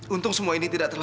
untung semua ini tidak terlalu